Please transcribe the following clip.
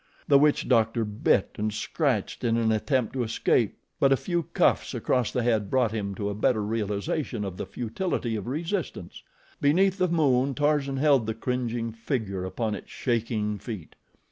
The witch doctor bit and scratched in an attempt to escape; but a few cuffs across the head brought him to a better realization of the futility of resistance. Beneath the moon Tarzan held the cringing figure upon its shaking feet.